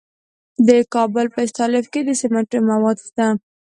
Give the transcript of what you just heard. د کابل په استالف کې د سمنټو مواد شته.